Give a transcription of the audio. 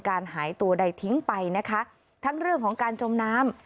หายตัวใดทิ้งไปนะคะทั้งเรื่องของการจมน้ำ